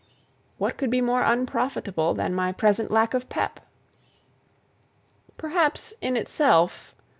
"What could be more unprofitable than my present lack of pep?" "Perhaps in itself...